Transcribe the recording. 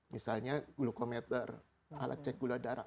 misalnya glukometer alat cek gula darah